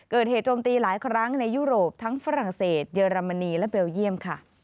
โจมตีหลายครั้งในยุโรปทั้งฝรั่งเศสเยอรมนีและเบลเยี่ยมค่ะ